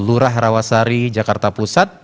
lurah rawasari jakarta pusat